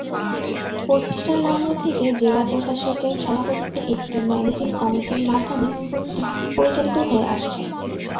প্রতিষ্ঠা লগ্ন থেকে জেলা প্রশাসকের সভাপতিত্বে একটি ম্যানেজিং কমিটির মাধ্যমে স্কুলটি পরিচালিত হয়ে আসছে।